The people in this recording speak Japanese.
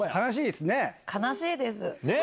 悲しいですね？